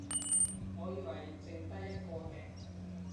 我以為剩得一個嘅